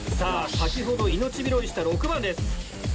先ほど命拾いした６番です。